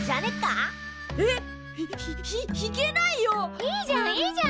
いいじゃんいいじゃん。